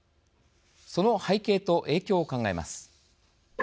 その背景と影響を考えます。